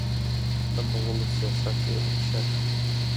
د مغولو سیاست یې افشا کړ